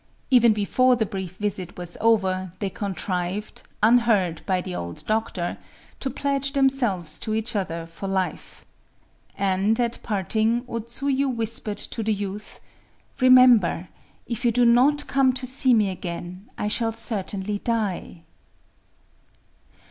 Even before the brief visit was over, they contrived,—unheard by the old doctor,—to pledge themselves to each other for life. And, at parting, O Tsuyu whispered to the youth,—"_Remember! If you do not come to see me again, I shall certainly die!